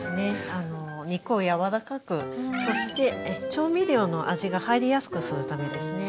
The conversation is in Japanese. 肉を柔らかくそして調味料の味が入りやすくするためですね。